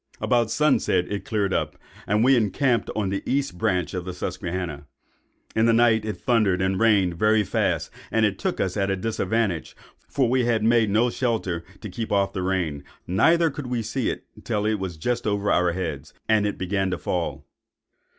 "About sunset it cleared up, and we encamped on the east branch of the Susquehanna. In the night it thundered and rained very fast, and took us at a disadvantage; for we had made no shelter to keep off the rain, neither could we see it till just over our heads, and it began to fall.